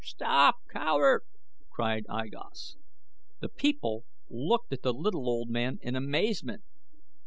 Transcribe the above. "Stop, coward!" cried I Gos. The people looked at the little old man in amazement.